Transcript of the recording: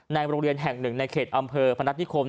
ในโรงเรียนแห่ง๑ในเขตอำเภอพนักฐิคม